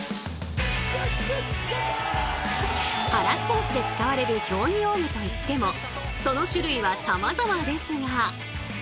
パラスポーツで使われる競技用具といってもその種類はさまざまですが。